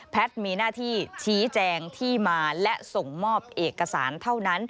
มีหน้าที่ชี้แจงที่มาและส่งมอบเอกสารเท่านั้น